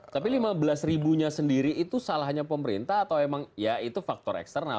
tapi lima belas ribunya sendiri itu salahnya pemerintah atau emang ya itu faktor eksternal